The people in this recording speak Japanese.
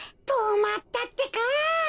とまったってか。